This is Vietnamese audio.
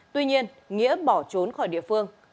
tuy nhiên nghĩa bỏ trốn khỏi địa phương